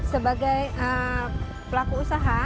sebagai pelaku usaha